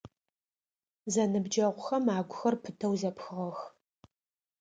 Зэныбджэгъухэм агухэр пытэу зэпхыгъэх.